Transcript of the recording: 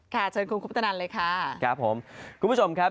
เชิญคุณคุปตนันเลยค่ะครับผมคุณผู้ชมครับ